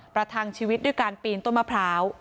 ประทังชีวิตด้วยการปีนต้นมะพร้าว